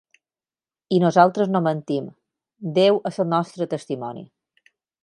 I nosaltres no mentim, Déu es el nostre testimoni.